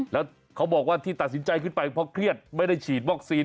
แล้วเขาบอกว่าที่ตัดสินใจขึ้นไปเพราะเครียดไม่ได้ฉีดวัคซีน